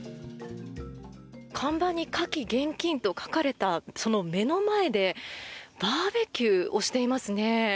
看板に火気厳禁と書かれたその目の前でバーベキューをしていますね。